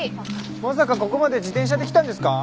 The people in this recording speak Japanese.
まさかここまで自転車で来たんですか？